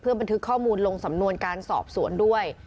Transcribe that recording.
บันทึกข้อมูลลงสำนวนการสอบสวนด้วย